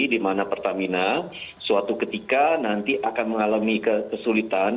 di mana pertamina suatu ketika nanti akan mengalami kesulitan